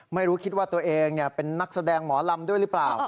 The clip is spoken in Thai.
ไม่รู้ว่าตัวเองเป็นนักแสดงหมอลำด้วยหรือเปล่า